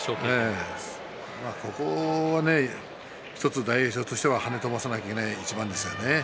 ここは大栄翔としてははね飛ばさなきゃなきゃいけない一番ですね。